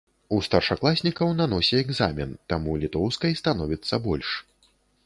У старшакласнікаў на носе экзамен, таму літоўскай становіцца больш.